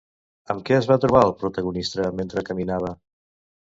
Amb què es va trobar el protagonista mentre caminava?